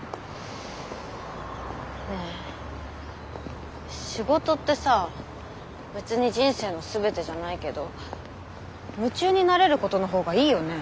ねえ仕事ってさ別に人生の全てじゃないけど夢中になれることの方がいいよね？